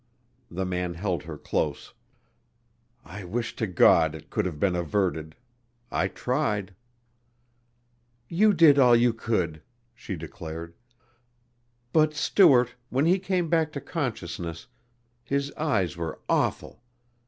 The man held her close. "I wish to God it could have been averted. I tried." "You did all you could," she declared. "But, Stuart, when he came back to consciousness, his eyes were awful!